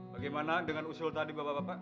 bagaimana dengan usul tadi bapak bapak